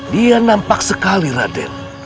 dia nampak sekali raden